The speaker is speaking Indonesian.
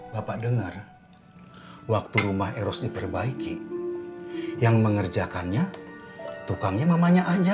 bapak dengar waktu rumah eros diperbaiki yang mengerjakannya tukangnya mamanya aja